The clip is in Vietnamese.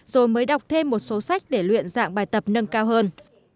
rồi mới đọc thêm một số sách để luyện dạng bài tập nâng cao hơn